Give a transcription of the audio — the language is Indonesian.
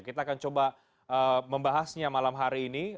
kita akan coba membahasnya malam hari ini